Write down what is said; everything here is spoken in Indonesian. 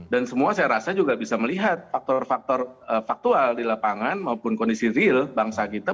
dan semua saya rasa juga bisa melihat faktor faktor faktual di lapangan maupun kondisi real bangsa kita